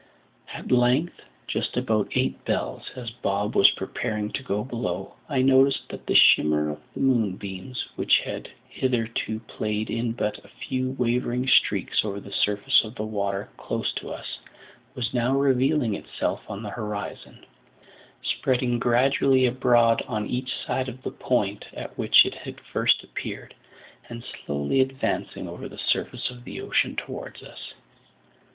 At length, just about eight bells, as Bob was preparing to go below, I noticed that the shimmer of the moonbeams, which had hitherto played in but a few wavering streaks over the surface of the water close to us, was now revealing itself on the horizon, spreading gradually abroad on each side of the point at which it had first appeared, and slowly advancing over the surface of the ocean towards us.